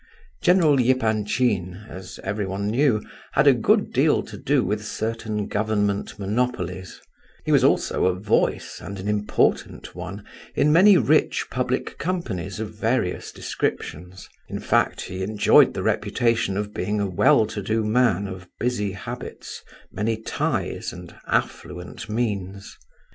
General Epanchin, as everyone knew, had a good deal to do with certain government monopolies; he was also a voice, and an important one, in many rich public companies of various descriptions; in fact, he enjoyed the reputation of being a well to do man of busy habits, many ties, and affluent means.